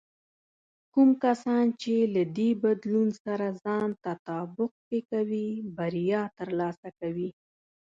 کوم کسان چې له دې بدلون سره ځان تطابق کې کوي، بریا ترلاسه کوي.